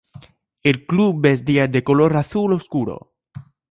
El club vestía de color azul oscuro.